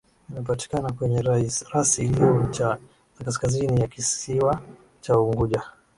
Inapatikana kwenye rasi iliyo ncha ya kaskazini ya kisiwa cha Unguja